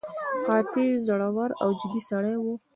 قاطع، زړور او جدي سړی هم و.